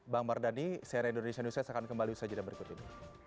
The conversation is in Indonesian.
bang mardhani cnn indonesia newscast akan kembali usaha jadwal berikut ini